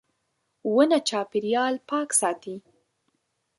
• ونه چاپېریال پاک ساتي.